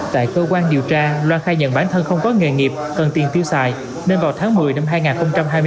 tại cơ quan điều tra loan khai nhận bản thân không có nghề nghiệp cần tiền tiêu xài